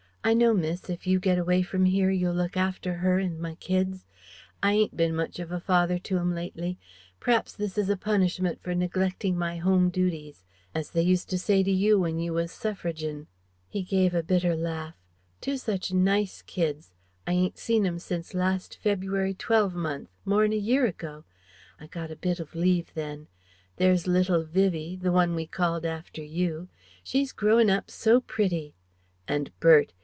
I know, miss, if you get away from here you'll look after her and my kids? I ain't bin much of a father to 'em lately. P'raps this is a punishment for neglecting my home duties As they used to say to you when you was Suffragin'." He gave a bitter laugh "Two such nice kids.... I ain't seen 'em since last February twelve month ... more'n a year ago ... I got a bit of leave then.... There's little Vivie the one we called after you.... She's growin' up so pretty ... and Bert!